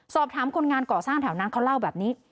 สอบถามคนงานเกาะสร้างแถวนั้นเขาเล่าแบบนี้